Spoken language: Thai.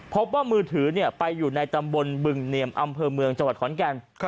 พบว่ามือถือไปอยู่ในตำบลบึงเนียมอำเภอเมืองจังหวัดขอนแก่น